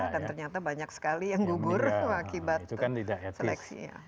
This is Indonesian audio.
dan ternyata banyak sekali yang gubur akibat seleksi